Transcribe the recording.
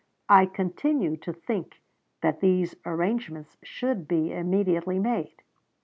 I continue to think that these arrangements should be immediately made.